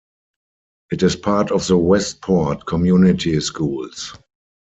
It is part of the Westport Community Schools.